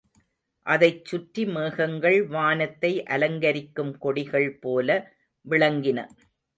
அதைச் சுற்றி மேகங்கள் வானத்தை அலங்கரிக்கும் கொடிகள் போல விளங்கின.